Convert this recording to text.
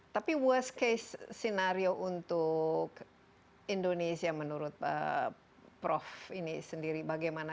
tapi worst case scenario untuk indonesia menurut prof ini sendiri bagaimana